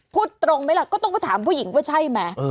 พูดตรงไหมล่ะก็ต้องไปถามผู้หญิงว่าใช่ไหม